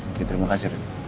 oke terima kasih red